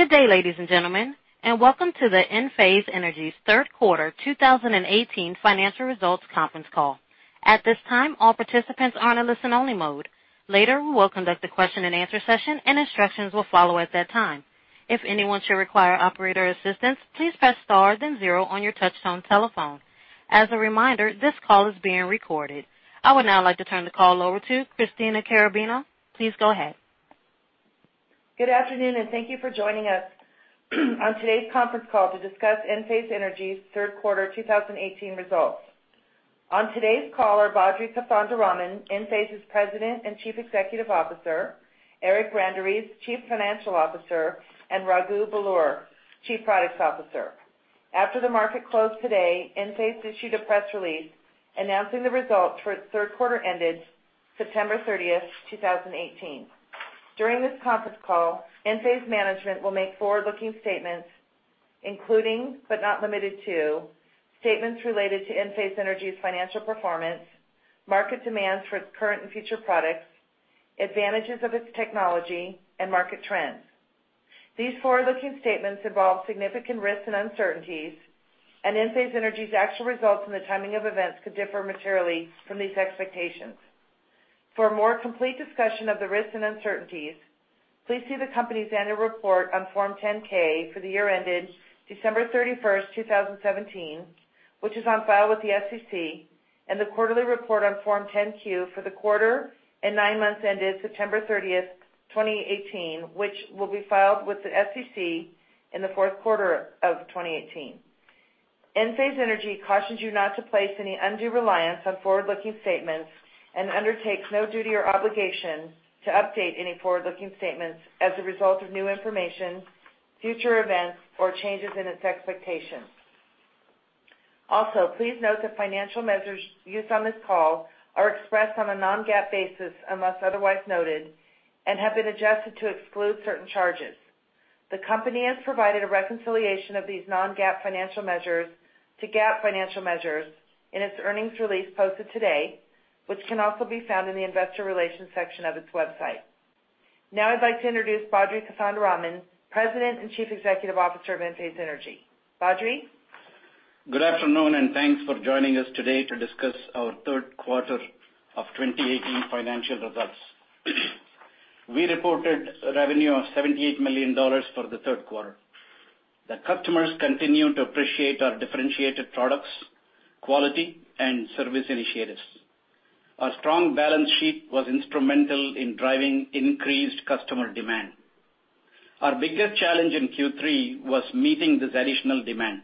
Good day, ladies and gentlemen, welcome to the Enphase Energy's third quarter 2018 financial results conference call. At this time, all participants are in listen-only mode. Later, we will conduct a question-and-answer session, and instructions will follow at that time. If anyone should require operator assistance, please press star then zero on your touchtone telephone. As a reminder, this call is being recorded. I would now like to turn the call over to Christina Carrabino. Please go ahead. Good afternoon, thank you for joining us on today's conference call to discuss Enphase Energy's third quarter 2018 results. On today's call are Badri Kothandaraman, Enphase's President and Chief Executive Officer, Eric Branderiz, Chief Financial Officer, and Raghu Belur, Chief Products Officer. After the market closed today, Enphase issued a press release announcing the results for its third quarter ended September thirtieth, 2018. During this conference call, Enphase management will make forward-looking statements including, but not limited to, statements related to Enphase Energy's financial performance, market demands for its current and future products, advantages of its technology, and market trends. These forward-looking statements involve significant risks and uncertainties, and Enphase Energy's actual results and the timing of events could differ materially from these expectations. For a more complete discussion of the risks and uncertainties, please see the company's annual report on Form 10-K for the year ended December 31st, 2017, which is on file with the SEC, and the quarterly report on Form 10-Q for the quarter and nine months ended September 30th, 2018, which will be filed with the SEC in the fourth quarter of 2018. Enphase Energy cautions you not to place any undue reliance on forward-looking statements and undertakes no duty or obligation to update any forward-looking statements as a result of new information, future events, or changes in its expectations. Also, please note that financial measures used on this call are expressed on a non-GAAP basis, unless otherwise noted, and have been adjusted to exclude certain charges. The company has provided a reconciliation of these non-GAAP financial measures to GAAP financial measures in its earnings release posted today, which can also be found in the investor relations section of its website. Now I'd like to introduce Badri Kothandaraman, President and Chief Executive Officer of Enphase Energy. Badri. Good afternoon. Thanks for joining us today to discuss our third quarter of 2018 financial results. We reported revenue of $78 million for the third quarter. The customers continue to appreciate our differentiated products, quality, and service initiatives. Our strong balance sheet was instrumental in driving increased customer demand. Our biggest challenge in Q3 was meeting this additional demand.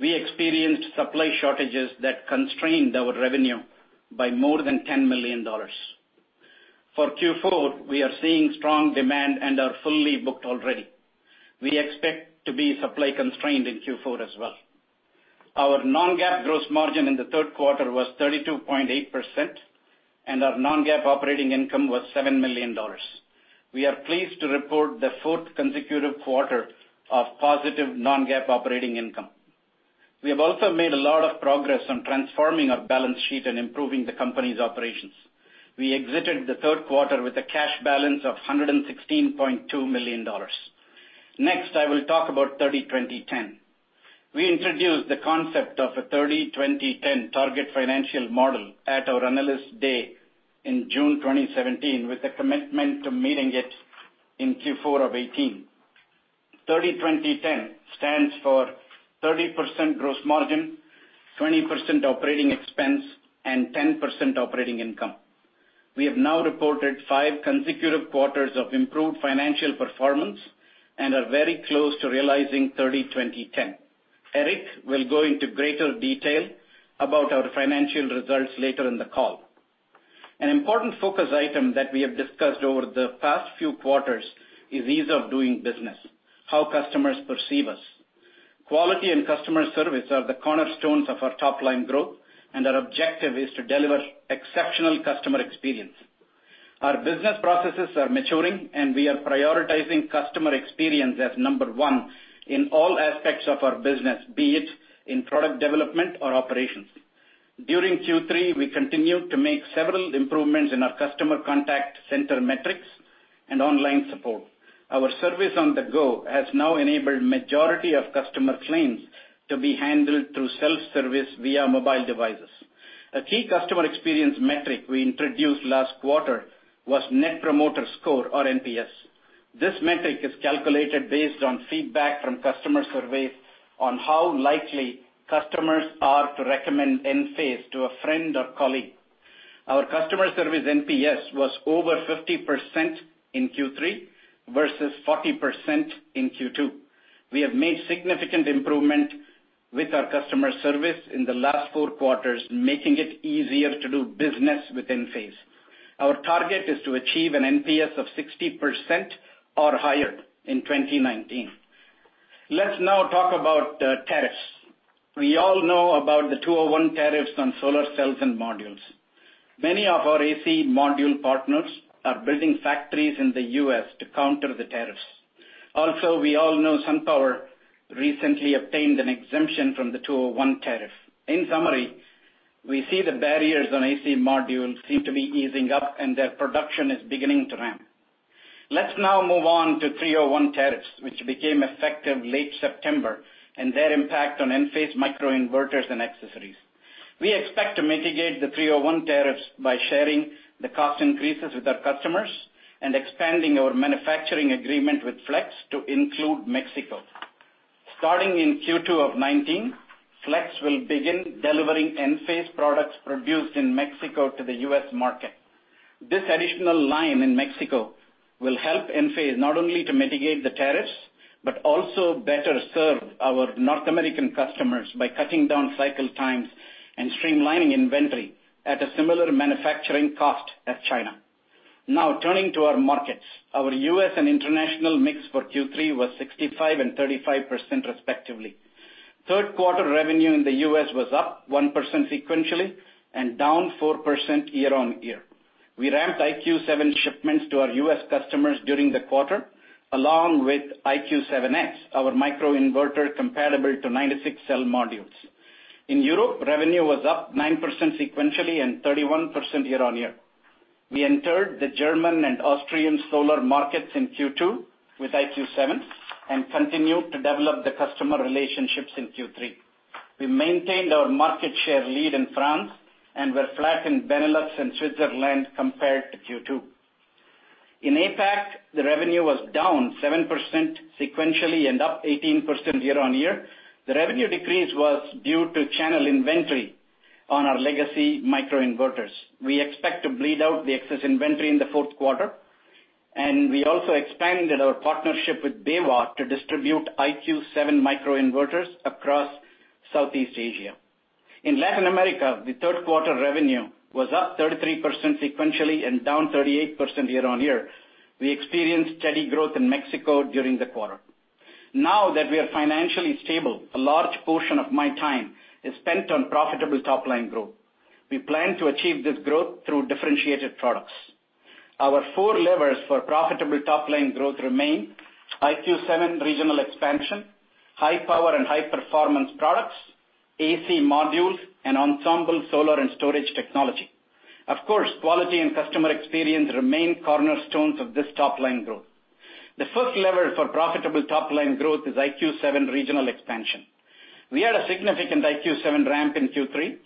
We experienced supply shortages that constrained our revenue by more than $10 million. For Q4, we are seeing strong demand and are fully booked already. We expect to be supply constrained in Q4 as well. Our non-GAAP gross margin in the third quarter was 32.8%, and our non-GAAP operating income was $7 million. We are pleased to report the fourth consecutive quarter of positive non-GAAP operating income. We have also made a lot of progress on transforming our balance sheet and improving the company's operations. We exited the third quarter with a cash balance of $116.2 million. Next, I will talk about 30/20/10. We introduced the concept of a 30/20/10 target financial model at our Analyst Day in June 2017, with a commitment to meeting it in Q4 of 2018. 30/20/10 stands for 30% gross margin, 20% operating expense, and 10% operating income. We have now reported five consecutive quarters of improved financial performance and are very close to realizing 30/20/10. Eric will go into greater detail about our financial results later in the call. An important focus item that we have discussed over the past few quarters is ease of doing business, how customers perceive us. Quality and customer service are the cornerstones of our top-line growth, and our objective is to deliver exceptional customer experience. Our business processes are maturing, and we are prioritizing customer experience as number one in all aspects of our business, be it in product development or operations. During Q3, we continued to make several improvements in our customer contact center metrics and online support. Our service on the go has now enabled majority of customer claims to be handled through self-service via mobile devices. A key customer experience metric we introduced last quarter was Net Promoter Score or NPS. This metric is calculated based on feedback from customer surveys on how likely customers are to recommend Enphase to a friend or colleague. Our customer service NPS was over 50% in Q3 versus 40% in Q2. We have made significant improvement with our customer service in the last four quarters, making it easier to do business with Enphase. Our target is to achieve an NPS of 60% or higher in 2019. Let's now talk about tariffs. We all know about the 201 tariffs on solar cells and modules. Many of our AC module partners are building factories in the U.S. to counter the tariffs. We all know SunPower recently obtained an exemption from the 201 tariff. In summary, we see the barriers on AC modules seem to be easing up and their production is beginning to ramp. Let's now move on to 301 tariffs, which became effective late September, and their impact on Enphase microinverters and accessories. We expect to mitigate the 301 tariffs by sharing the cost increases with our customers and expanding our manufacturing agreement with Flex to include Mexico. Starting in Q2 of 2019, Flex will begin delivering Enphase products produced in Mexico to the U.S. market. This additional line in Mexico will help Enphase not only to mitigate the tariffs, but also better serve our North American customers by cutting down cycle times and streamlining inventory at a similar manufacturing cost as China. Turning to our markets. Our U.S. and international mix for Q3 was 65% and 35%, respectively. Third quarter revenue in the U.S. was up 1% sequentially and down 4% year-on-year. We ramped IQ 7 shipments to our U.S. customers during the quarter, along with IQ 7X, our microinverter compatible to 96-cell modules. In Europe, revenue was up 9% sequentially and 31% year-on-year. We entered the German and Austrian solar markets in Q2 with IQ 7 and continued to develop the customer relationships in Q3. We maintained our market share lead in France and were flat in Benelux and Switzerland compared to Q2. In APAC, the revenue was down 7% sequentially and up 18% year-on-year. The revenue decrease was due to channel inventory on our legacy microinverters. We expect to bleed out the excess inventory in the fourth quarter. We also expanded our partnership with BayWa r.e. to distribute IQ 7 microinverters across Southeast Asia. In Latin America, the third quarter revenue was up 33% sequentially and down 38% year-on-year. We experienced steady growth in Mexico during the quarter. Now that we are financially stable, a large portion of my time is spent on profitable top-line growth. We plan to achieve this growth through differentiated products. Our four levers for profitable top-line growth remain IQ 7 regional expansion, high power and high performance products, AC Modules, and Ensemble solar and storage technology. Of course, quality and customer experience remain cornerstones of this top-line growth. The first lever for profitable top-line growth is IQ 7 regional expansion. We had a significant IQ 7 ramp in Q3,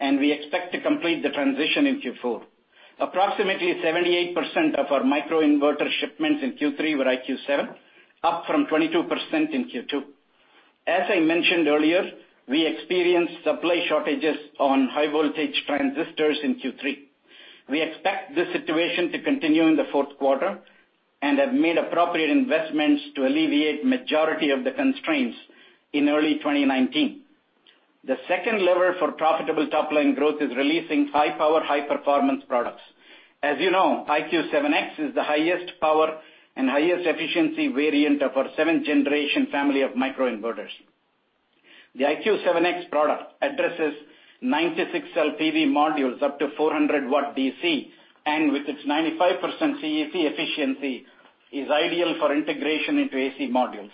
and we expect to complete the transition in Q4. Approximately 78% of our microinverter shipments in Q3 were IQ 7, up from 22% in Q2. As I mentioned earlier, we experienced supply shortages on high voltage transistors in Q3. We expect this situation to continue in the fourth quarter and have made appropriate investments to alleviate majority of the constraints in early 2019. The second lever for profitable top-line growth is releasing high power, high performance products. As you know, IQ 7X is the highest power and highest efficiency variant of our seventh-generation family of microinverters. The IQ 7X product addresses 96-cell PV modules up to 400 W DC, and with its 95% CEC efficiency, is ideal for integration into AC Modules.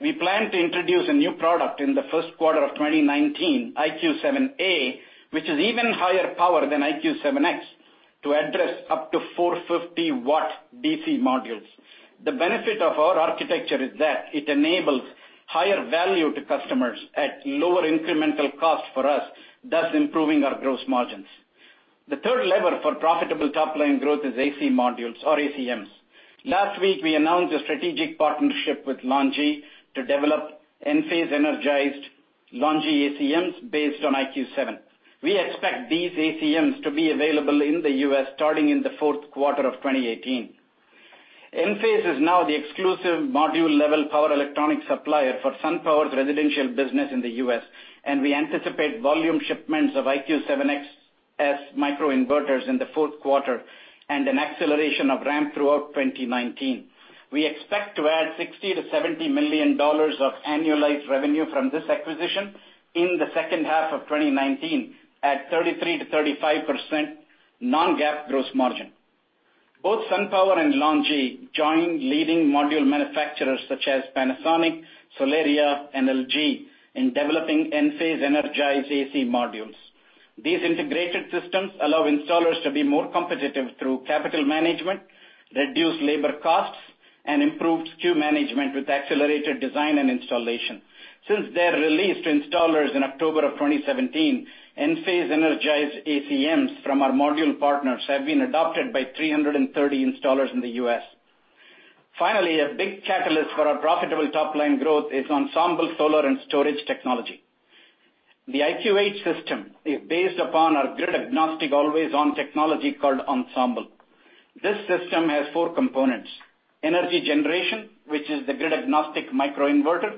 We plan to introduce a new product in the first quarter of 2019, IQ 7A, which is even higher power than IQ 7X, to address up to 450 W DC modules. The benefit of our architecture is that it enables higher value to customers at lower incremental cost for us, thus improving our gross margins. The third lever for profitable top-line growth is AC Modules or ACMs. Last week, we announced a strategic partnership with LONGi to develop Enphase Energized LONGi ACMs based on IQ 7. We expect these ACMs to be available in the U.S. starting in the fourth quarter of 2018. Enphase is now the exclusive module-level power electronic supplier for SunPower's residential business in the U.S., and we anticipate volume shipments of IQ 7X as microinverters in the fourth quarter and an acceleration of ramp throughout 2019. We expect to add $60 million to $70 million of annualized revenue from this acquisition in the second half of 2019 at 33% to 35% non-GAAP gross margin. Both SunPower and LONGi join leading module manufacturers such as Panasonic, Solaria, and LG in developing Enphase Energized AC Modules. These integrated systems allow installers to be more competitive through capital management, reduced labor costs, and improved SKU management with accelerated design and installation. Since their release to installers in October of 2017, Enphase Energized ACMs from our module partners have been adopted by 330 installers in the U.S. Finally, a big catalyst for our profitable top-line growth is Ensemble solar and storage technology. The IQ8 system is based upon our grid-agnostic always-on technology called Ensemble. This system has four components. Energy generation, which is the grid-agnostic microinverter.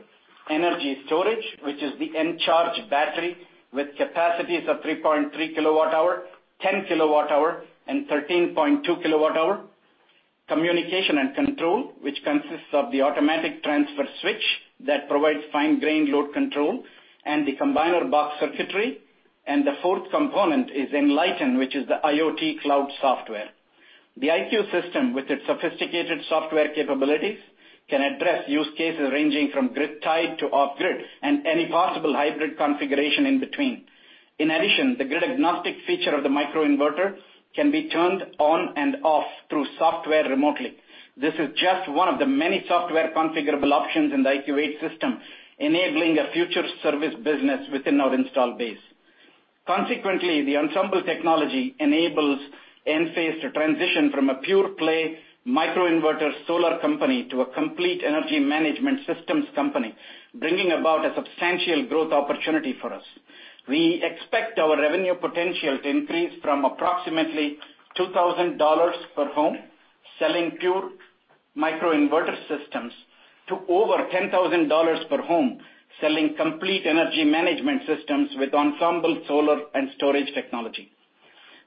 Energy storage, which is the Encharge battery with capacities of 3.3 kilowatt-hour, 10 kilowatt-hour, and 13.2 kilowatt-hour. Communication and control, which consists of the automatic transfer switch that provides fine grain load control and the combiner box circuitry. The fourth component is Enlighten, which is the IoT cloud software. The IQ system with its sophisticated software capabilities can address use cases ranging from grid-tied to off-grid, and any possible hybrid configuration in between. In addition, the grid-agnostic feature of the microinverter can be turned on and off through software remotely. This is just one of the many software configurable options in the IQ8 system, enabling a future service business within our installed base. Consequently, the Ensemble technology enables Enphase to transition from a pure-play microinverter solar company to a complete energy management systems company, bringing about a substantial growth opportunity for us. We expect our revenue potential to increase from approximately $2,000 per home, selling pure microinverter systems, to over $10,000 per home selling complete energy management systems with Ensemble solar and storage technology.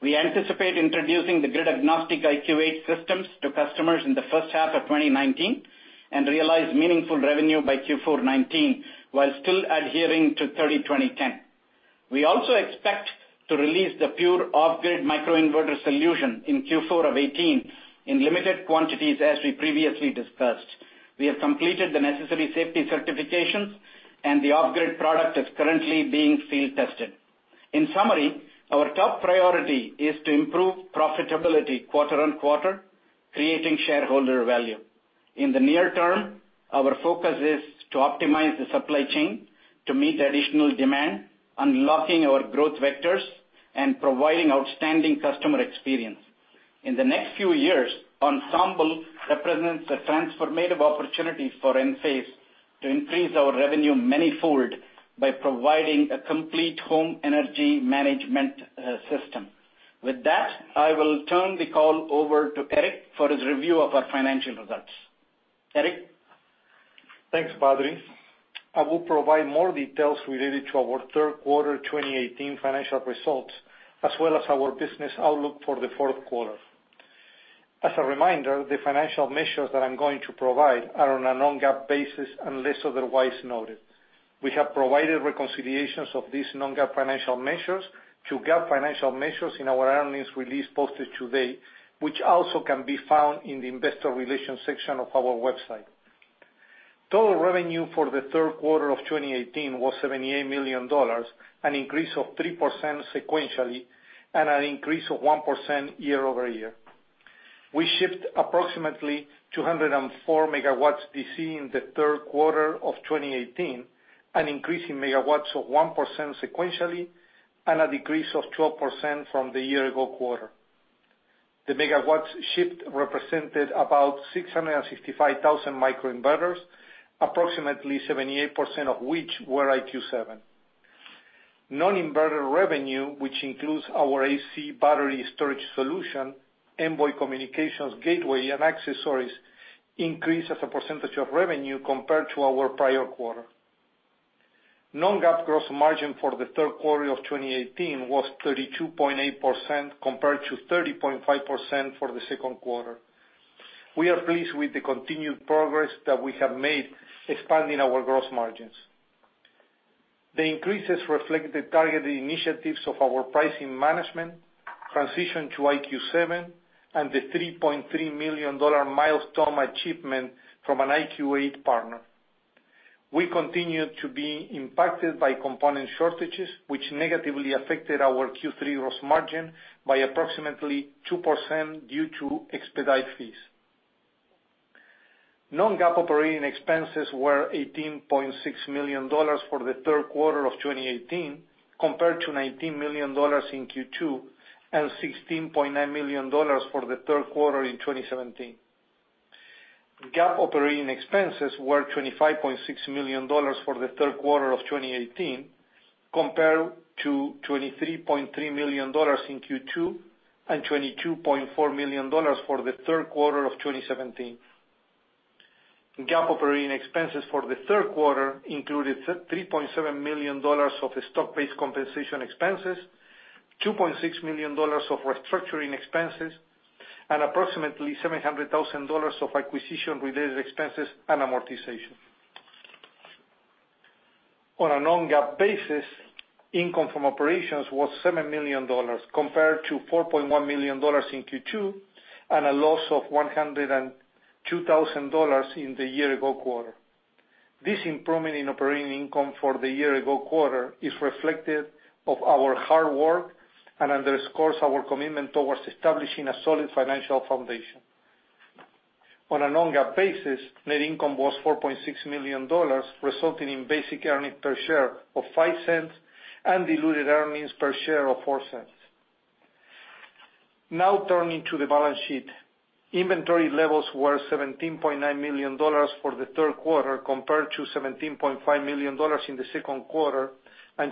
We anticipate introducing the grid-agnostic IQ8 systems to customers in the first half of 2019, and realize meaningful revenue by Q4 '19, while still adhering to 30/20/10. We also expect to release the pure off-grid microinverter solution in Q4 of '18 in limited quantities, as we previously discussed. We have completed the necessary safety certifications, and the off-grid product is currently being field-tested. In summary, our top priority is to improve profitability quarter-on-quarter, creating shareholder value. In the near term, our focus is to optimize the supply chain to meet additional demand, unlocking our growth vectors, and providing outstanding customer experience. In the next few years, Ensemble represents a transformative opportunity for Enphase to increase our revenue many fold by providing a complete home energy management system. With that, I will turn the call over to Eric for his review of our financial results. Eric? Thanks, Badri. I will provide more details related to our third quarter 2018 financial results, as well as our business outlook for the fourth quarter. As a reminder, the financial measures that I'm going to provide are on a non-GAAP basis, unless otherwise noted. We have provided reconciliations of these non-GAAP financial measures to GAAP financial measures in our earnings release posted today, which also can be found in the investor relations section of our website. Total revenue for the third quarter of 2018 was $78 million, an increase of 3% sequentially, and an increase of 1% year-over-year. We shipped approximately 204 megawatts DC in the third quarter of 2018, an increase in megawatts of 1% sequentially, and a decrease of 12% from the year-ago quarter. The megawatts shipped represented about 665,000 microinverters, approximately 78% of which were IQ 7. Non-inverter revenue, which includes our AC Battery storage solution, Envoy Communications Gateway and accessories, increased as a percentage of revenue compared to our prior quarter. Non-GAAP gross margin for the third quarter of 2018 was 32.8%, compared to 30.5% for the second quarter. We are pleased with the continued progress that we have made expanding our gross margins. The increases reflect the targeted initiatives of our pricing management, transition to IQ 7, and the $3.3 million milestone achievement from an IQ8 partner. We continue to be impacted by component shortages, which negatively affected our Q3 gross margin by approximately 2% due to expedite fees. Non-GAAP operating expenses were $18.6 million for the third quarter of 2018, compared to $19 million in Q2, and $16.9 million for the third quarter in 2017. GAAP operating expenses were $25.6 million for the third quarter of 2018, compared to $23.3 million in Q2, and $22.4 million for the third quarter of 2017. GAAP operating expenses for the third quarter included $3.7 million of stock-based compensation expenses, $2.6 million of restructuring expenses, and approximately $700,000 of acquisition-related expenses and amortization. On a non-GAAP basis, income from operations was $7 million, compared to $4.1 million in Q2, and a loss of $102,000 in the year-ago quarter. This improvement in operating income for the year-ago quarter is reflective of our hard work, and underscores our commitment towards establishing a solid financial foundation. On a non-GAAP basis, net income was $4.6 million, resulting in basic earnings per share of $0.05 and diluted earnings per share of $0.04. Now, turning to the balance sheet. Inventory levels were $17.9 million for the third quarter, compared to $17.5 million in the second quarter, and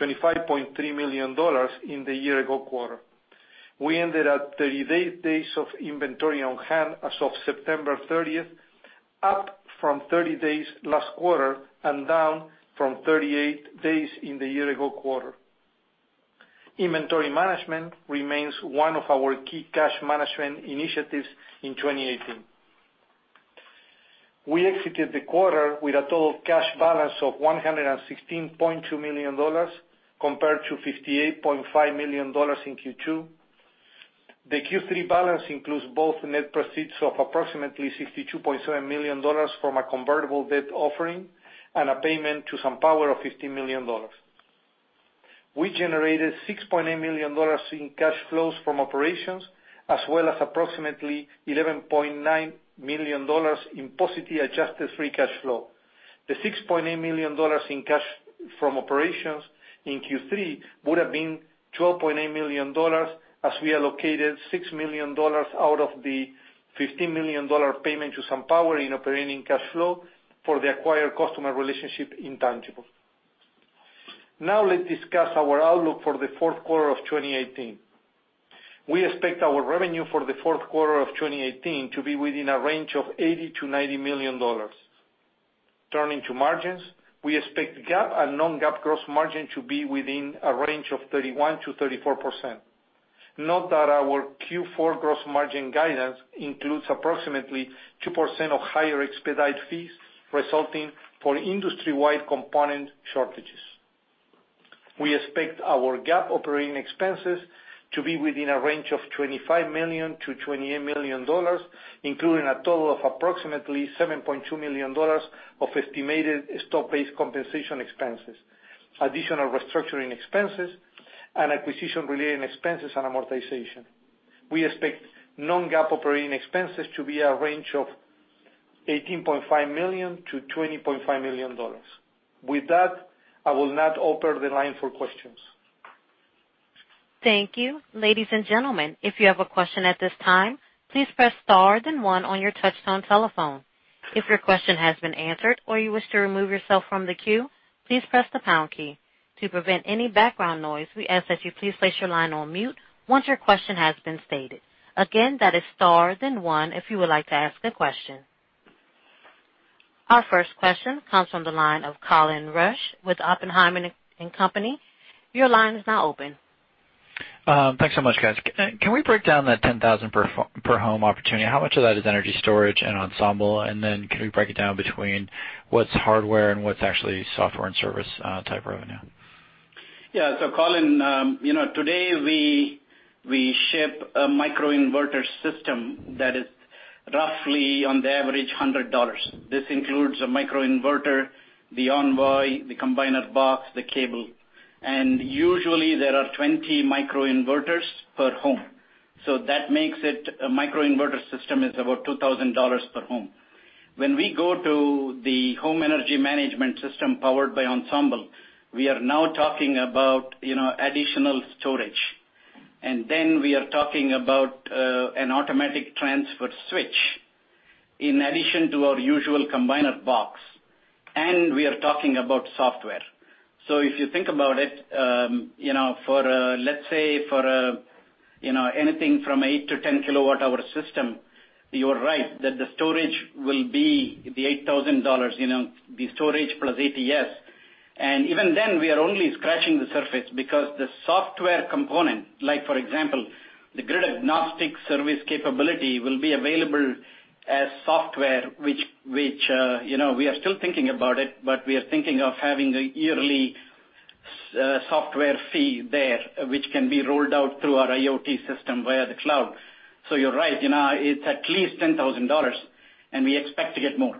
$25.3 million in the year-ago quarter. We ended at 38 days of inventory on hand as of September 30th, up from 30 days last quarter, and down from 38 days in the year-ago quarter. Inventory management remains one of our key cash management initiatives in 2018. We exited the quarter with a total cash balance of $116.2 million compared to $58.5 million in Q2. The Q3 balance includes both net proceeds of approximately $62.7 million from a convertible debt offering and a payment to SunPower of $15 million. We generated $6.8 million in cash flows from operations as well as approximately $11.9 million in positive adjusted free cash flow. The $6.8 million in cash from operations in Q3 would've been $12.8 million as we allocated $6 million out of the $15 million payment to SunPower in operating cash flow for the acquired customer relationship intangible. Let's discuss our outlook for the fourth quarter of 2018. We expect our revenue for the fourth quarter of 2018 to be within a range of $80 million-$90 million. Turning to margins, we expect GAAP and non-GAAP gross margin to be within a range of 31%-34%. Note that our Q4 gross margin guidance includes approximately 2% of higher expedite fees resulting for industry-wide component shortages. We expect our GAAP operating expenses to be within a range of $25 million-$28 million, including a total of approximately $7.2 million of estimated stock-based compensation expenses, additional restructuring expenses, and acquisition-related expenses and amortization. We expect non-GAAP operating expenses to be a range of $18.5 million-$20.5 million. With that, I will now open the line for questions. Thank you. Ladies and gentlemen, if you have a question at this time, please press star then one on your touch-tone telephone. If your question has been answered or you wish to remove yourself from the queue, please press the pound key. To prevent any background noise, we ask that you please place your line on mute once your question has been stated. Again, that is star then one if you would like to ask a question. Our first question comes from the line of Colin Rusch with Oppenheimer & Co.. Your line is now open. Thanks so much, guys. Can we break down that 10,000 per home opportunity? How much of that is energy storage and Ensemble? Can we break it down between what's hardware and what's actually software and service type revenue? Yeah. Colin, today we ship a microinverter system that is roughly on the average $100. This includes a microinverter, the Envoy, the combiner box, the cable, and usually there are 20 microinverters per home. That makes it a microinverter system is about $2,000 per home. When we go to the home energy management system powered by Ensemble, we are now talking about additional storage. We are talking about an automatic transfer switch in addition to our usual combiner box, and we are talking about software. If you think about it, let's say for anything from 8 to 10 kilowatt hour system, you are right that the storage will be the $8,000, the storage plus ATS. Even then, we are only scratching the surface because the software component, like for example, the grid-agnostic service capability, will be available as software, which we are still thinking about it, but we are thinking of having a yearly software fee there, which can be rolled out through our IoT system via the cloud. You're right, it's at least $10,000, we expect to get more.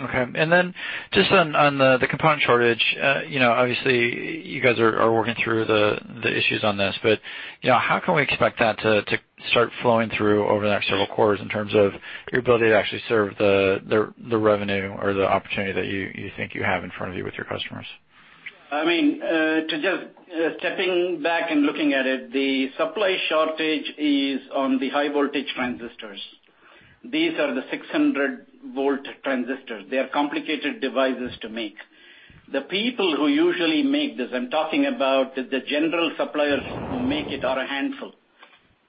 Okay. Just on the component shortage, obviously you guys are working through the issues on this, how can we expect that to start flowing through over the next several quarters in terms of your ability to actually serve the revenue or the opportunity that you think you have in front of you with your customers? Just stepping back and looking at it, the supply shortage is on the high voltage transistors. These are the 600-volt transistors. They're complicated devices to make. The people who usually make this, I'm talking about the general suppliers who make it, are a handful.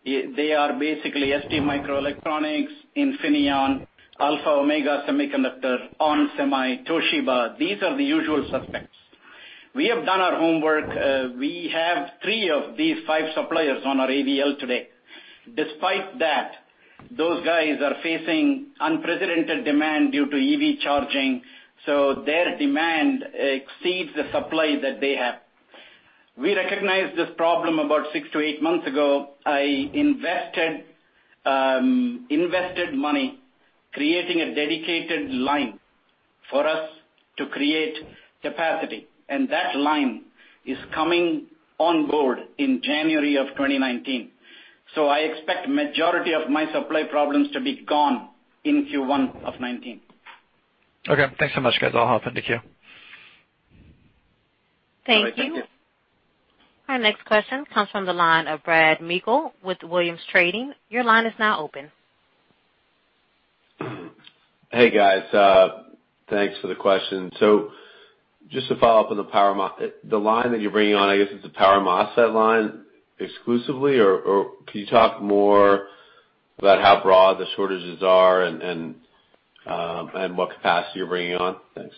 They are basically STMicroelectronics, Infineon, Alpha Omega Semiconductor, onsemi, Toshiba. These are the usual suspects. We have done our homework. We have three of these five suppliers on our AVL today. Despite that, those guys are facing unprecedented demand due to EV charging, their demand exceeds the supply that they have. We recognized this problem about six to eight months ago. I invested money creating a dedicated line for us to create capacity, and that line is coming on board in January of 2019. I expect majority of my supply problems to be gone in Q1 of 2019. Okay. Thanks so much, guys. I'll hop into queue. All right. Thank you. Thank you. Our next question comes from the line of Brad Meikle with Williams Trading. Your line is now open. Hey, guys. Thanks for the question. Just to follow up on the line that you're bringing on, I guess it's a power MOSFET line exclusively, or can you talk more about how broad the shortages are and what capacity you're bringing on? Thanks.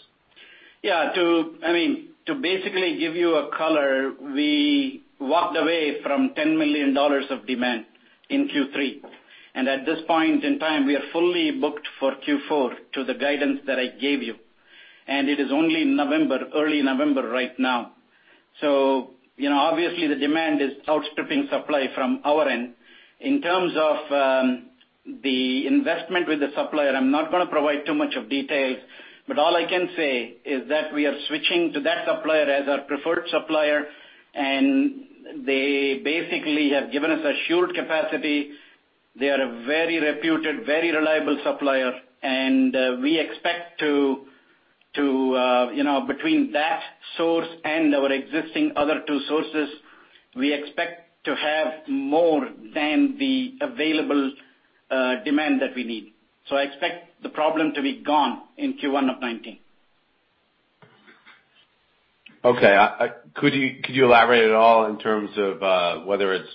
Yeah. To basically give you a color, we walked away from $10 million of demand in Q3. At this point in time, we are fully booked for Q4 to the guidance that I gave you. It is only early November right now. Obviously, the demand is outstripping supply from our end. In terms of the investment with the supplier, I'm not going to provide too much of details, but all I can say is that we are switching to that supplier as our preferred supplier. They basically have given us assured capacity. They are a very reputed, very reliable supplier. Between that source and our existing other two sources, we expect to have more than the available demand that we need. I expect the problem to be gone in Q1 of 2019. Okay. Could you elaborate at all in terms of whether it's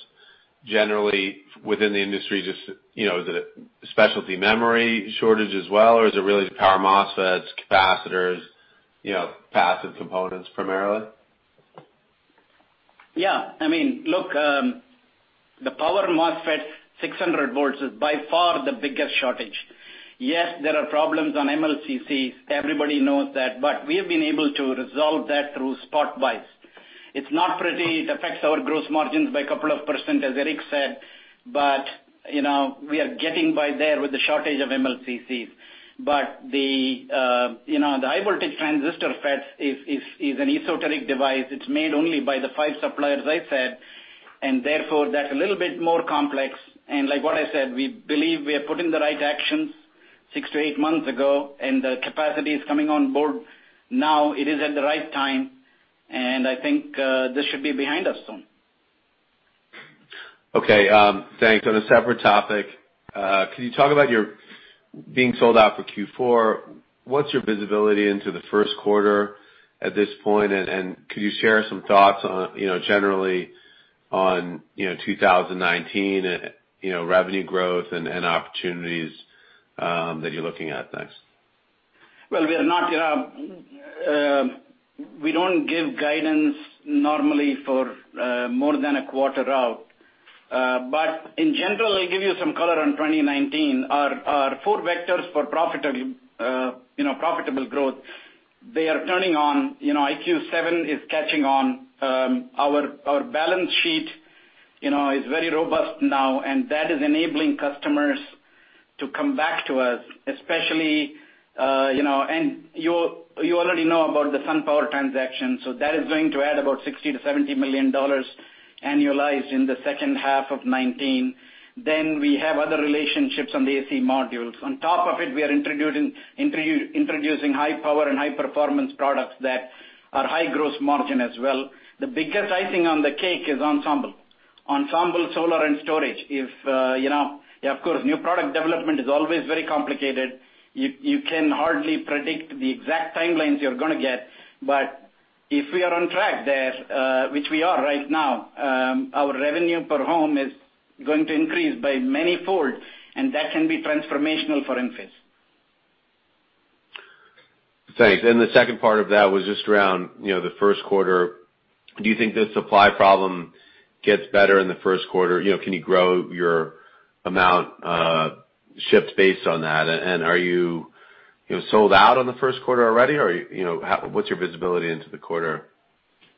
generally within the industry, is it a specialty memory shortage as well, or is it really the power MOSFETs, capacitors, passive components primarily? Yeah. Look, the power MOSFET 600 volts is by far the biggest shortage. Yes, there are problems on MLCCs. Everybody knows that, but we have been able to resolve that through spot buys. It's not pretty. It affects our gross margins by a couple of %, as Eric said. We are getting by there with the shortage of MLCCs. The high-voltage transistor FET is an esoteric device. It's made only by the five suppliers I said. Therefore, that's a little bit more complex. Like what I said, we believe we have put in the right actions six to eight months ago. The capacity is coming on board now. It is at the right time. I think this should be behind us soon. Okay. Thanks. On a separate topic, can you talk about your being sold out for Q4? What's your visibility into the first quarter at this point? Could you share some thoughts, generally on 2019, revenue growth and opportunities that you're looking at? Thanks. Well, we don't give guidance normally for more than a quarter out. In general, I'll give you some color on 2019. Our four vectors for profitable growth, they are turning on. IQ 7 is catching on. Our balance sheet is very robust now, and that is enabling customers to come back to us, especially. You already know about the SunPower transaction, that is going to add about $60 million-$70 million annualized in the second half of 2019. We have other relationships on the AC Modules. On top of it, we are introducing high power and high-performance products that are high gross margin as well. The biggest icing on the cake is Ensemble. Ensemble solar and storage. Of course, new product development is always very complicated. You can hardly predict the exact timelines you're going to get. If we are on track there, which we are right now, our revenue per home is going to increase by many folds, that can be transformational for Enphase. Thanks. The second part of that was just around the first quarter. Do you think the supply problem gets better in the first quarter? Can you grow your amount shipped based on that? Are you sold out on the first quarter already, or what's your visibility into the quarter?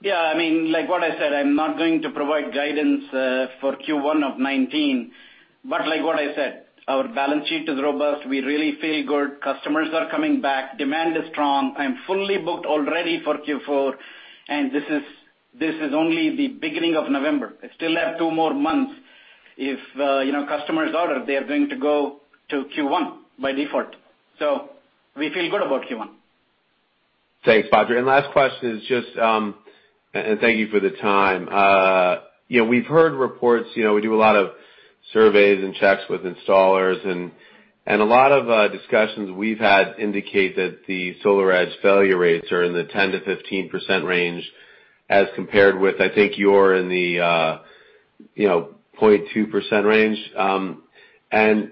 Yeah. Like what I said, I'm not going to provide guidance for Q1 of 2019. Like what I said, our balance sheet is robust. We really feel good. Customers are coming back. Demand is strong. I'm fully booked already for Q4. This is only the beginning of November. I still have two more months. If customers order, they are going to go to Q1 by default. We feel good about Q1. Thanks, Badri. Last question and thank you for the time. We've heard reports. We do a lot of surveys and checks with installers, a lot of discussions we've had indicate that the SolarEdge failure rates are in the 10%-15% range as compared with, I think, you're in the 0.2% range.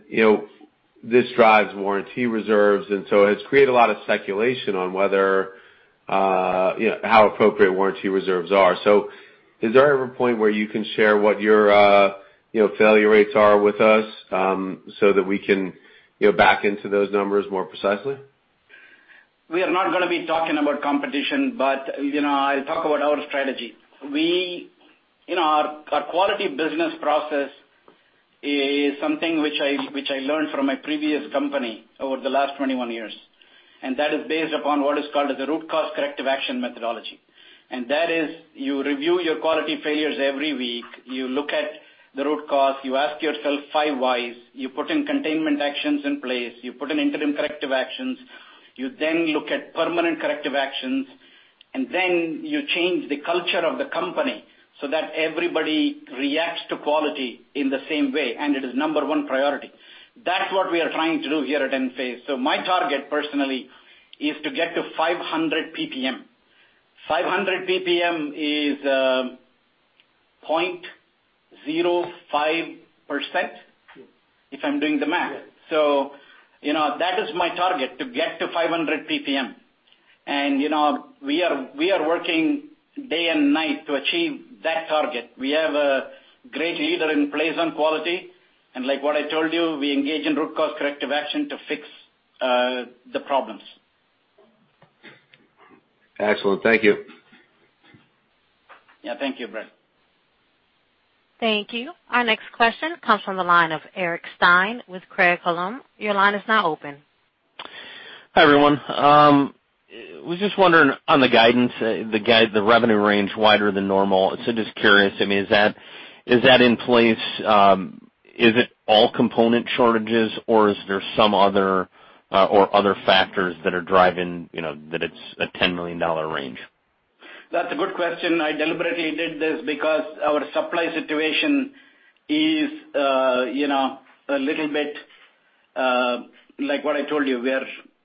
This drives warranty reserves, it's created a lot of speculation on how appropriate warranty reserves are. Is there ever a point where you can share what your failure rates are with us, so that we can back into those numbers more precisely? We are not going to be talking about competition, I'll talk about our strategy. Our quality business process is something which I learned from my previous company over the last 21 years, and that is based upon what is called the root cause corrective action methodology. That is, you review your quality failures every week. You look at the root cause. You ask yourself 5 whys. You put in containment actions in place. You put in interim corrective actions. You look at permanent corrective actions, you change the culture of the company so that everybody reacts to quality in the same way, and it is number 1 priority. That's what we are trying to do here at Enphase. My target personally is to get to 500 PPM. 500 PPM is 0.05% if I'm doing the math. Yes. That is my target, to get to 500 PPM. We are working day and night to achieve that target. We have a great leader in place on quality, and like what I told you, we engage in root cause corrective action to fix the problems. Excellent. Thank you. Thank you, Brad. Thank you. Our next question comes from the line of Eric Stine with Craig-Hallum. Your line is now open. Hi, everyone. Was just wondering on the guidance, the revenue range wider than normal. Just curious, is that in place? Is it all component shortages or is there some other factors that are driving that it's a $10 million range? That's a good question. I deliberately did this because our supply situation is a little bit like what I told you.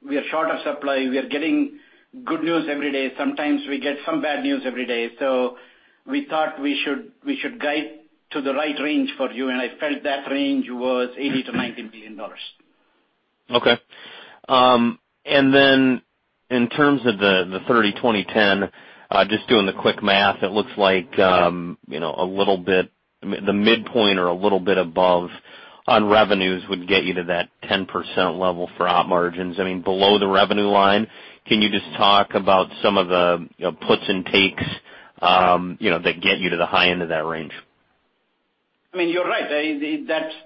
We are short of supply. We are getting good news every day. Sometimes we get some bad news every day. We thought we should guide to the right range for you, and I felt that range was $80 million-$90 million. Okay. In terms of the 30-20-10, just doing the quick math, it looks like the midpoint or a little bit above on revenues would get you to that 10% level for op margins. Below the revenue line, can you just talk about some of the puts and takes that get you to the high end of that range? You're right.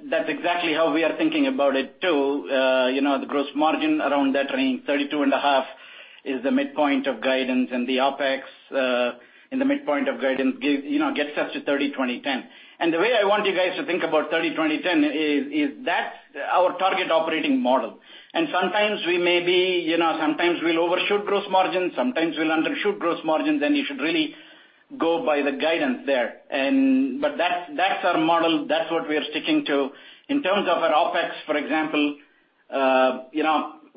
That's exactly how we are thinking about it, too. The gross margin around that range, 32.5 is the midpoint of guidance, and the OpEx in the midpoint of guidance gets us to 30-20-10. The way I want you guys to think about 30-20-10 is that our target operating model. Sometimes we'll overshoot gross margins, sometimes we'll undershoot gross margins, and you should really go by the guidance there. That's our model. That's what we are sticking to. In terms of our OpEx, for example,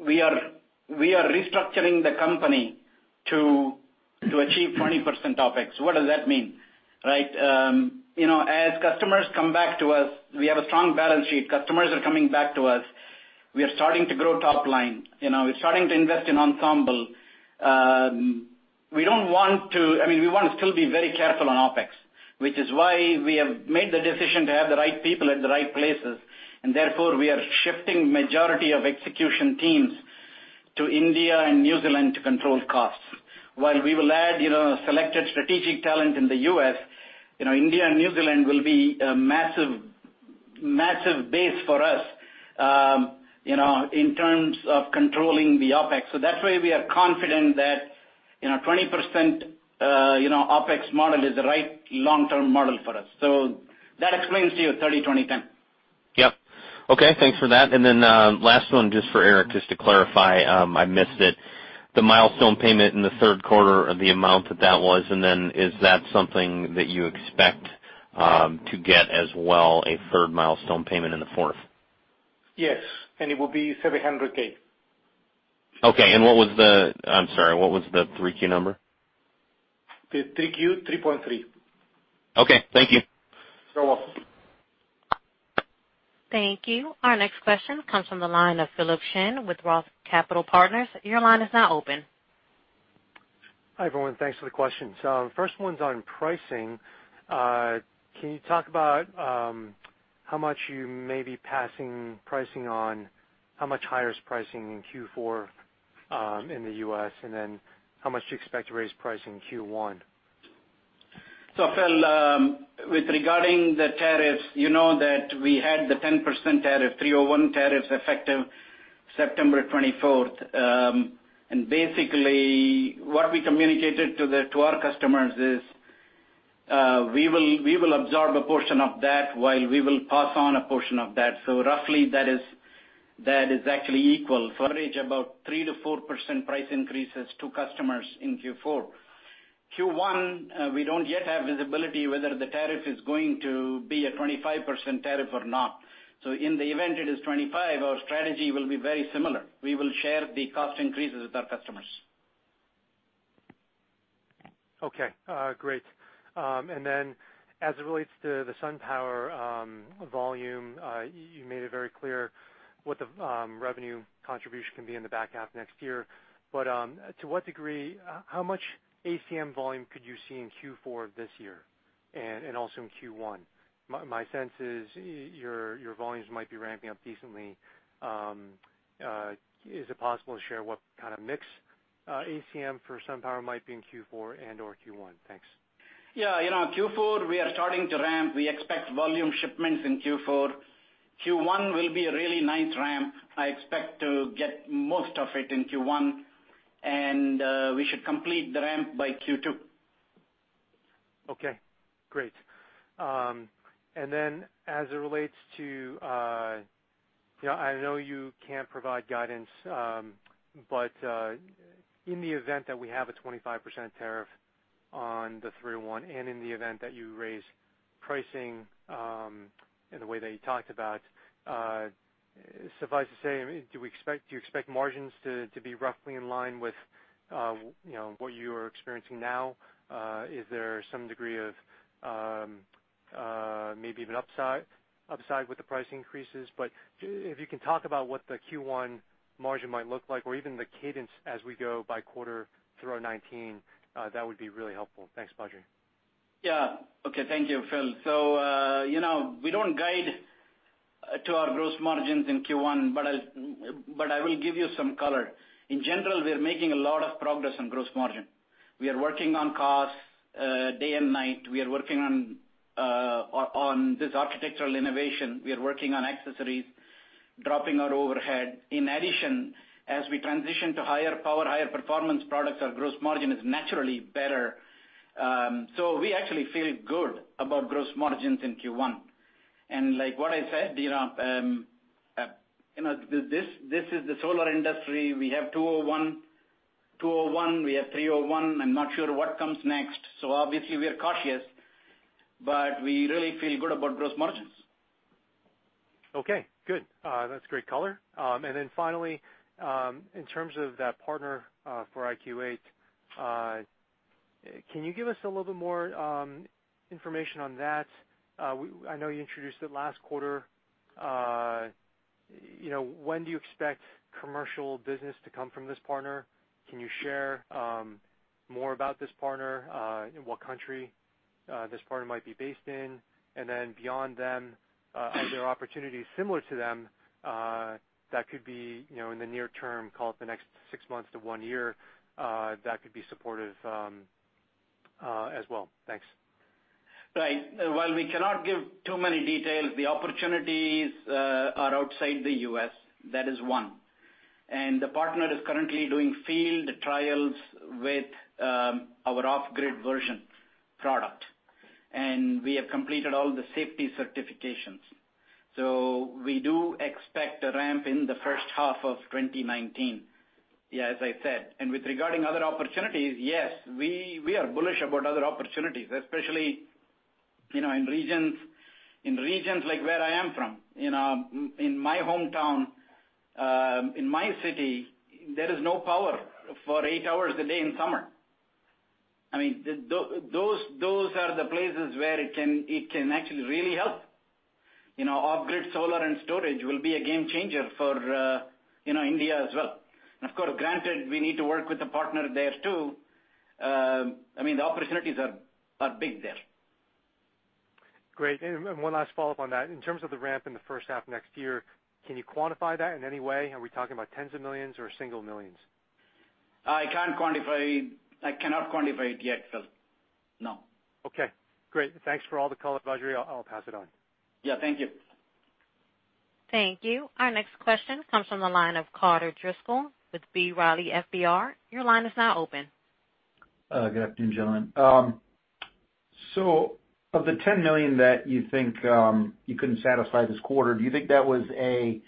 we are restructuring the company to achieve 20% OpEx. What does that mean? As customers come back to us, we have a strong balance sheet. Customers are coming back to us. We are starting to grow top line. We're starting to invest in Ensemble. We want to still be very careful on OpEx, which is why we have made the decision to have the right people at the right places, and therefore, we are shifting majority of execution teams to India and New Zealand to control costs. While we will add selected strategic talent in the U.S., India and New Zealand will be a massive base for us in terms of controlling the OpEx. That's why we are confident that 20% OpEx model is the right long-term model for us. That explains to you 30-20-10. Yep. Okay. Thanks for that. Last one, just for Eric, just to clarify. I missed it. The milestone payment in the third quarter, the amount that was, and then is that something that you expect to get as well, a third milestone payment in the fourth? Yes, it will be 700K. Okay. I'm sorry, what was the 3Q number? The 3Q, 3.3. Okay. Thank you. You're welcome. Thank you. Our next question comes from the line of Philip Shen with ROTH Capital Partners. Your line is now open. Hi, everyone. Thanks for the questions. First one's on pricing. Can you talk about how much you may be passing pricing on, how much higher is pricing in Q4 in the U.S., and then how much do you expect to raise pricing in Q1? Phil, with regarding the tariffs, you know that we had the 10% tariff, 301 Tariffs effective September 24th. Basically, what we communicated to our customers is, we will absorb a portion of that while we will pass on a portion of that. Roughly, that is actually equal. About 3%-4% price increases to customers in Q4. Q1, we don't yet have visibility whether the tariff is going to be a 25% tariff or not. In the event it is 25%, our strategy will be very similar. We will share the cost increases with our customers. Okay. Great. Then as it relates to the SunPower volume, you made it very clear what the revenue contribution can be in the back half next year. To what degree, how much ACM volume could you see in Q4 of this year and also in Q1? My sense is your volumes might be ramping up decently. Is it possible to share what kind of mix ACM for SunPower might be in Q4 and/or Q1? Thanks. Yeah. Q4, we are starting to ramp. We expect volume shipments in Q4. Q1 will be a really nice ramp. I expect to get most of it in Q1, and we should complete the ramp by Q2. Okay, great. Then as it relates to I know you can't provide guidance, in the event that we have a 25% tariff on the 301 and in the event that you raise pricing in the way that you talked about. Suffice to say, do you expect margins to be roughly in line with what you are experiencing now? Is there some degree of maybe even upside with the price increases? If you can talk about what the Q1 margin might look like or even the cadence as we go by quarter through our 2019, that would be really helpful. Thanks, Phil. Yeah. Okay. Thank you, Phil. We don't guide to our gross margins in Q1, I will give you some color. In general, we are making a lot of progress on gross margin. We are working on costs day and night. We are working on this architectural innovation. We are working on accessories, dropping our overhead. In addition, as we transition to higher power, higher performance products, our gross margin is naturally better. We actually feel good about gross margins in Q1. Like what I said, this is the solar industry. We have 201, we have 301. I'm not sure what comes next. Obviously, we are cautious, but we really feel good about gross margins. Okay, good. That's great color. Finally, in terms of that partner for IQ8, can you give us a little bit more information on that? I know you introduced it last quarter. When do you expect commercial business to come from this partner? Can you share more about this partner? In what country this partner might be based in? Beyond them, are there opportunities similar to them that could be in the near term, call it the next six months to one year, that could be supportive as well? Thanks. Right. While we cannot give too many details, the opportunities are outside the U.S. That is one. The partner is currently doing field trials with our off-grid version product. We have completed all the safety certifications. We do expect a ramp in the first half of 2019, as I said. With regarding other opportunities, yes, we are bullish about other opportunities, especially in regions like where I am from. In my hometown, in my city, there is no power for eight hours a day in summer. I mean, those are the places where it can actually really help. Off-grid solar and storage will be a game changer for India as well. Of course, granted, we need to work with a partner there too. I mean, the opportunities are big there. Great. One last follow-up on that. In terms of the ramp in the first half of next year, can you quantify that in any way? Are we talking about tens of millions or single millions? I cannot quantify it yet, Phil. No. Okay, great. Thanks for all the color, Badri. I'll pass it on. Yeah, thank you. Thank you. Our next question comes from the line of Carter Driscoll with B. Riley FBR. Your line is now open. Good afternoon, gentlemen. Of the $10 million that you think you couldn't satisfy this quarter, do you think that was a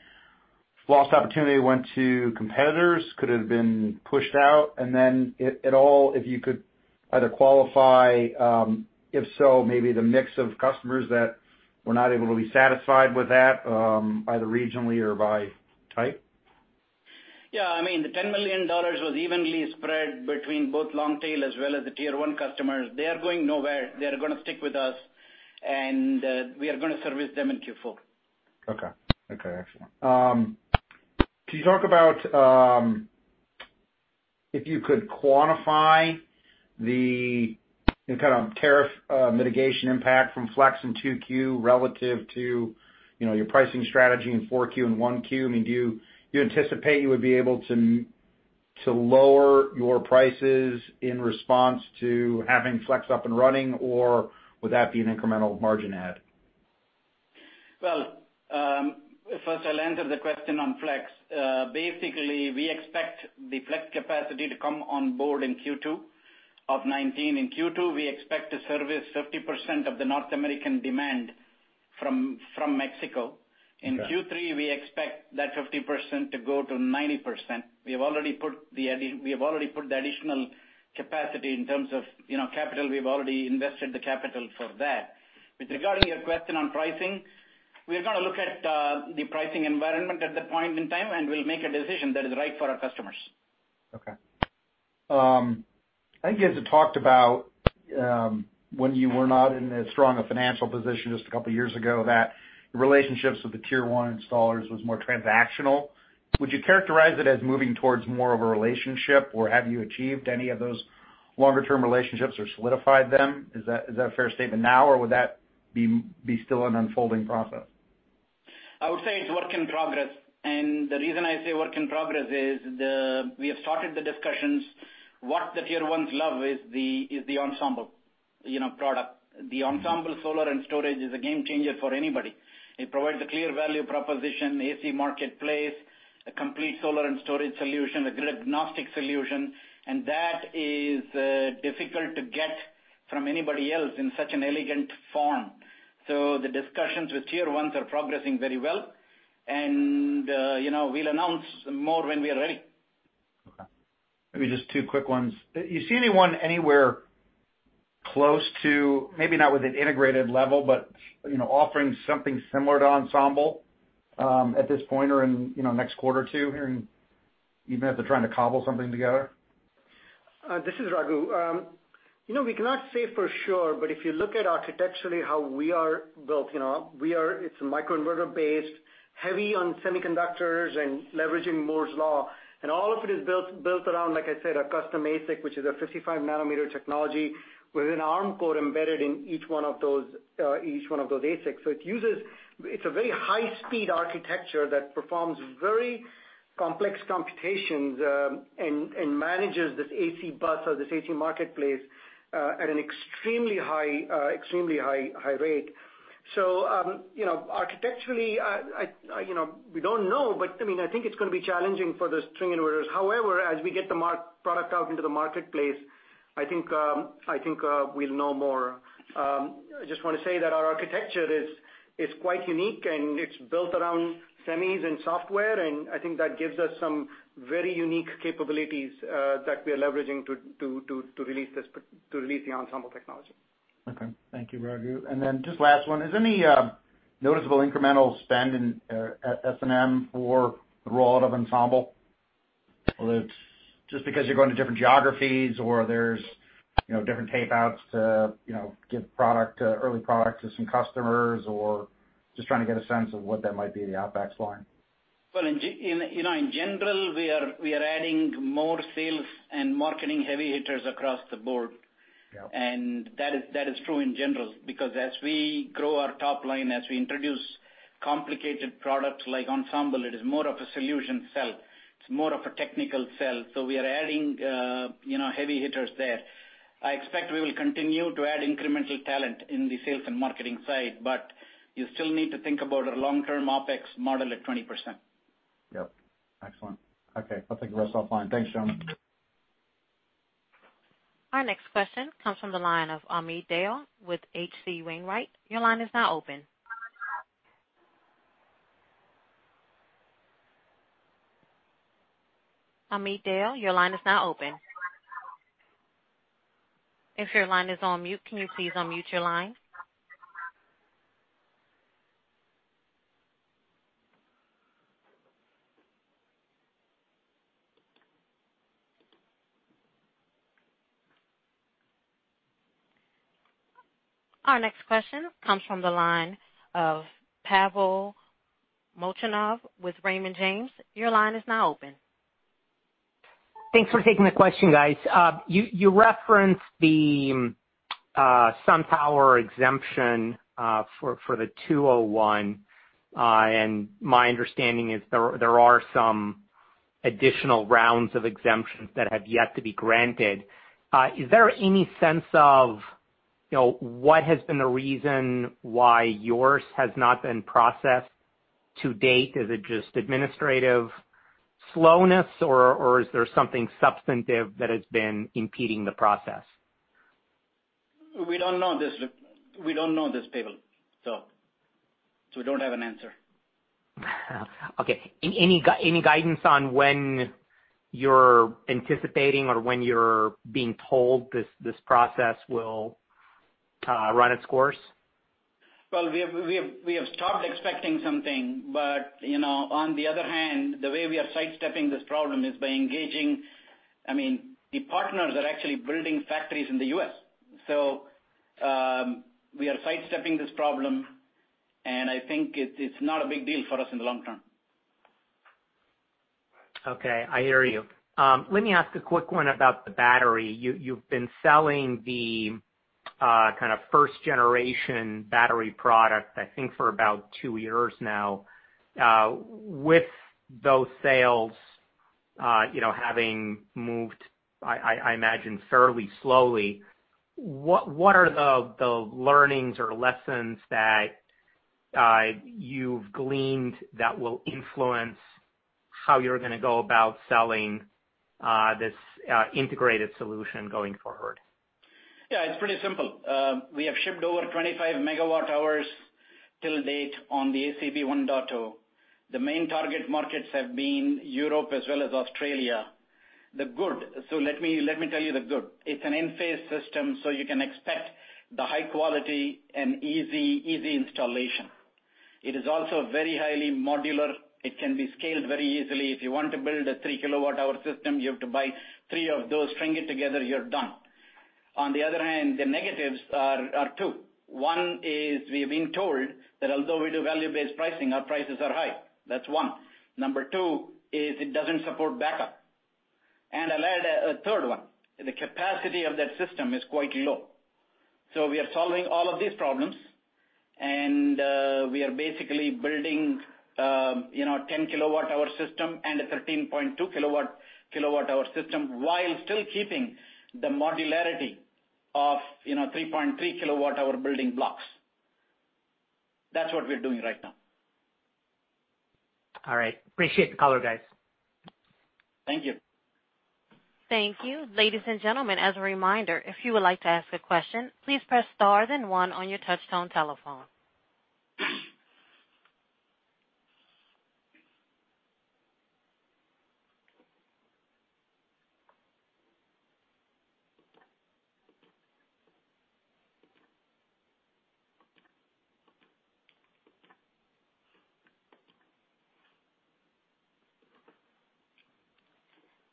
lost opportunity that went to competitors, could have been pushed out? Then at all, if you could either qualify, if so, maybe the mix of customers that were not able to be satisfied with that, either regionally or by type? Yeah, I mean, the $10 million was evenly spread between both long tail as well as the tier 1 customers. They are going nowhere. They are going to stick with us, and we are going to service them in Q4. Okay. Excellent. Can you talk about, if you could quantify the kind of tariff mitigation impact from Flex in Q2 relative to your pricing strategy in 4Q and 1Q? I mean, do you anticipate you would be able to lower your prices in response to having Flex up and running, or would that be an incremental margin add? Well, first I'll answer the question on Flex. Basically, we expect the Flex capacity to come on board in Q2 of 2019. In Q2, we expect to service 50% of the North American demand from Mexico. Okay. In Q3, we expect that 50% to go to 90%. We have already put the additional capacity in terms of capital. We've already invested the capital for that. With regarding your question on pricing, we are going to look at the pricing environment at that point in time, we'll make a decision that is right for our customers. Okay. I think you guys have talked about, when you were not in as strong a financial position just a couple of years ago, that the relationships with the tier one installers was more transactional. Would you characterize it as moving towards more of a relationship, or have you achieved any of those longer-term relationships or solidified them? Is that a fair statement now, or would that be still an unfolding process? I would say it's work in progress. The reason I say work in progress is we have started the discussions. What the tier ones love is the Ensemble product. The Ensemble Solar and Storage is a game changer for anybody. It provides a clear value proposition, AC marketplace, a complete solar and storage solution, a grid-agnostic solution, and that is difficult to get from anybody else in such an elegant form. The discussions with tier ones are progressing very well, and we'll announce more when we are ready. Maybe just two quick ones. Do you see anyone anywhere close to, maybe not with an integrated level, but offering something similar to Ensemble at this point or in next quarter or two, even if they're trying to cobble something together? This is Raghu. We cannot say for sure, but if you look at architecturally how we are built, it's microinverter-based, heavy on semiconductors and leveraging Moore's Law, and all of it is built around, like I said, a custom ASIC, which is a 55-nanometer technology with an Arm core embedded in each one of those ASICs. It's a very high-speed architecture that performs very complex computations, and manages this AC bus or this AC marketplace, at an extremely high rate. Architecturally, we don't know, but I think it's going to be challenging for the string inverters. However, as we get the product out into the marketplace, I think we'll know more. I just want to say that our architecture is quite unique, and it's built around semis and software, and I think that gives us some very unique capabilities, that we are leveraging to release the Ensemble technology. Okay. Thank you, Raghu. Just last one, is there any noticeable incremental spend in S&M for the rollout of Ensemble? It's just because you're going to different geographies or there's different tapeouts to give early product to some customers or just trying to get a sense of what that might be, the OpEx line? In general, we are adding more sales and marketing heavy hitters across the board. Yep. That is true in general, because as we grow our top line, as we introduce complicated products like Ensemble, it is more of a solution sell. It's more of a technical sell. We are adding heavy hitters there. I expect we will continue to add incremental talent in the sales and marketing side, but you still need to think about a long-term OpEx model at 20%. Yep. Excellent. Okay. I'll take the rest offline. Thanks, gentlemen. Our next question comes from the line of Amit Dayal with H.C. Wainwright. Your line is now open. Amit Dayal, your line is now open. If your line is on mute, can you please unmute your line? Our next question comes from the line of Pavel Molchanov with Raymond James. Your line is now open. Thanks for taking the question, guys. You referenced the SunPower exemption, for the 201, My understanding is there are some additional rounds of exemptions that have yet to be granted. Is there any sense of what has been the reason why yours has not been processed to date? Is it just administrative slowness, or is there something substantive that has been impeding the process? We don't know this, Pavel. We don't have an answer. Okay. Any guidance on when you're anticipating or when you're being told this process will run its course? Well, we have stopped expecting something. On the other hand, the way we are sidestepping this problem is by engaging. I mean, the partners are actually building factories in the U.S. We are sidestepping this problem, and I think it's not a big deal for us in the long term. Okay. I hear you. Let me ask a quick one about the battery. You've been selling the kind of first-generation battery product, I think, for about two years now. With those sales having moved, I imagine, fairly slowly, what are the learnings or lessons that you've gleaned that will influence how you're gonna go about selling this integrated solution going forward? Yeah. It's pretty simple. We have shipped over 25 megawatt hours till date on the ACB 1.0. The main target markets have been Europe as well as Australia. Let me tell you the good. It's an Enphase system, so you can expect the high quality and easy installation. It is also very highly modular. It can be scaled very easily. If you want to build a three kilowatt-hour system, you have to buy three of those, string it together, you're done. On the other hand, the negatives are two. One is we've been told that although we do value-based pricing, our prices are high. That's one. Number two is it doesn't support backup. A third one, the capacity of that system is quite low. We are solving all of these problems, and we are basically building 10 kilowatt-hour system and a 13.2 kilowatt-hour system while still keeping the modularity of 3.3 kilowatt-hour building blocks. That's what we're doing right now. All right. Appreciate the color, guys. Thank you. Thank you. Ladies and gentlemen, as a reminder, if you would like to ask a question, please press star then one on your touchtone telephone.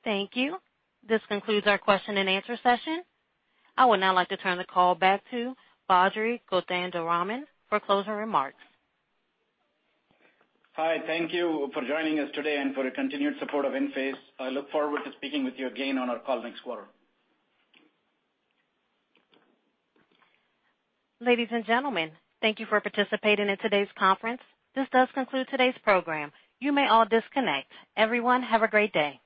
Thank you. This concludes our question and answer session. I would now like to turn the call back to Badri Kothandaraman for closing remarks. Hi, thank you for joining us today and for the continued support of Enphase. I look forward to speaking with you again on our call next quarter. Ladies and gentlemen, thank you for participating in today's conference. This does conclude today's program. You may all disconnect. Everyone, have a great day.